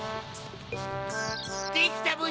できたブヒ！